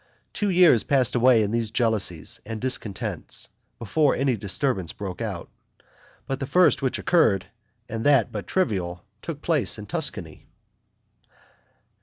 Two years passed away in these jealousies and discontents before any disturbance broke out; but the first which occurred, and that but trivial, took place in Tuscany.